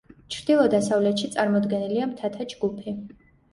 ჩრდილო-დასავლეთში წარმოდგენილია მთათა ჯგუფი.